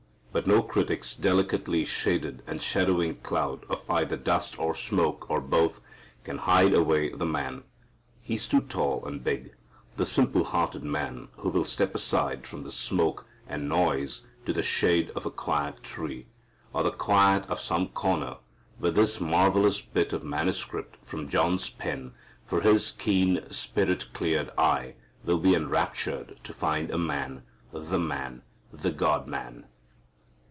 But no critic's delicately shaded and shadowing cloud of either dust or smoke, or both, can hide away the Man. He's too tall and big. The simple hearted man who will step aside from the smoke and noise to the shade of a quiet tree, or the quiet of some corner, with this marvellous bit of manuscript from John's pen for his keen, Spirit cleared eye, will be enraptured to find a Man, the Man, the God Man.